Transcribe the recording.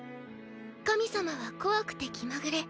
神様は怖くて気まぐれ。